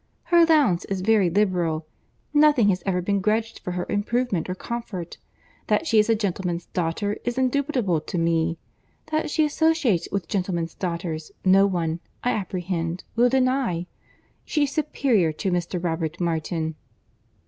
—Her allowance is very liberal; nothing has ever been grudged for her improvement or comfort.—That she is a gentleman's daughter, is indubitable to me; that she associates with gentlemen's daughters, no one, I apprehend, will deny.—She is superior to Mr. Robert Martin."